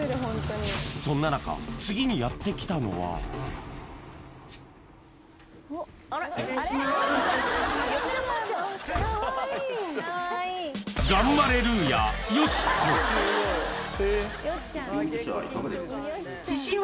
そんな中次にやってきたのはお願いします